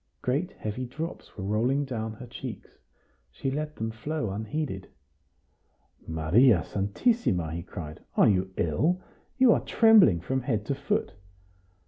Great heavy drops were rolling down her cheeks; she let them flow unheeded. "Maria Santissima!" he cried. "Are you ill? You are trembling from head to foot!"